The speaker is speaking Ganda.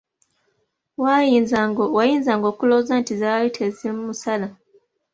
Wayinzanga okulowooza nti zaali tezimusala!